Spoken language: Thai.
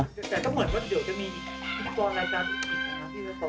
แต่ก็เหมือนว่าเดี๋ยวจะมีอีกตอนรายการอีกแล้วนะ